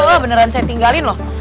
wah beneran saya tinggalin loh